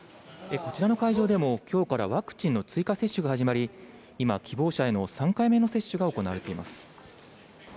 こちらの会場でも今日からワクチンの追加接種が始まり、今、希望者への３回目の接種が行われています。